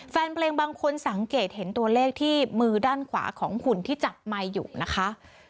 แฟนเพลงบางคนสังเกตเห็นตัวเลขที่มือด้านขวาของหุ่นที่จับไมค์อยู่นะคะ